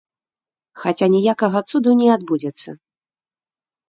Хаця ніякага цуду не адбудзецца.